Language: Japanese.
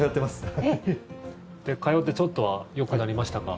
通ってちょっとはよくなりましたか？